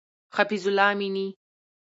حفیظ الله امینی